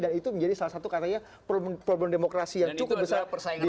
dan itu menjadi salah satu problem demokrasi yang cukup besar di masa demokrasi